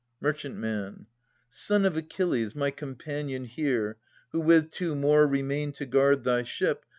Merchantman. Son of Achilles, my companion here, Who with two more remained to guard thy ship.